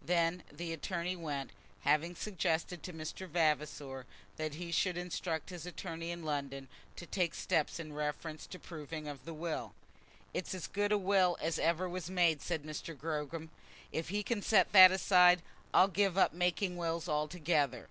Then the attorney went, having suggested to Mr. Vavasor that he should instruct his attorney in London to take steps in reference to the proving of the will. "It's as good a will as ever was made," said Mr. Gogram. "If he can set that aside, I'll give up making wills altogether."